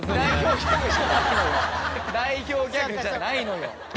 代表ギャグじゃないのよ。